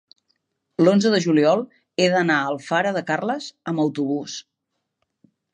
l'onze de juliol he d'anar a Alfara de Carles amb autobús.